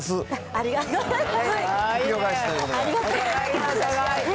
ありがとうございます。